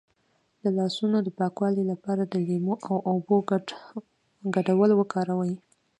د لاسونو د پاکوالي لپاره د لیمو او اوبو ګډول وکاروئ